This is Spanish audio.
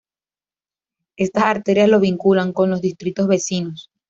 Estas arterias lo vinculan, con los distritos vecinos.